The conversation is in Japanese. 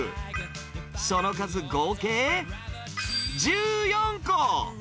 その数合計１４個。